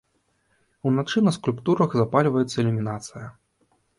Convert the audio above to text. Уначы на скульптурах запальваецца ілюмінацыя.